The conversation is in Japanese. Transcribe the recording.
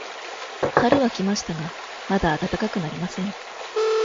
春は来ましたが、まだ暖かくなりません。